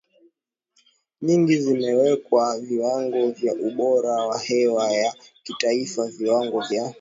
nyingi zimeweka viwango vya ubora wa hewa ya kitaifa Viwango vya